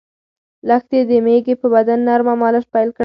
لښتې د مېږې په بدن نرمه مالش پیل کړ.